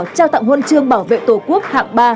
trao tặng huân chương bảo vệ tổ quốc hạng ba